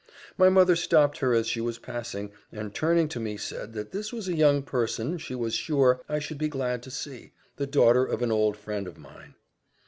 My mother stopped her as she was passing, and turning to me, said, that this was a young person, she was sure, I should be glad to see, the daughter of an old friend of mine.